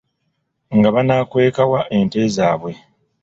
Nga banaakweka wa ente zaabwe?